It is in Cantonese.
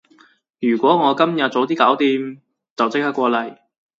如果我今日早啲搞掂，就即刻過嚟